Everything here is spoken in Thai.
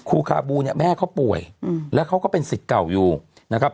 ครูคาบูเนี่ยแม่เขาป่วยแล้วเขาก็เป็นสิทธิ์เก่าอยู่นะครับ